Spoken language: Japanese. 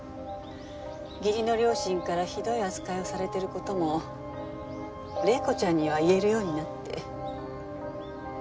義理の両親からひどい扱いをされてる事も玲子ちゃんには言えるようになって。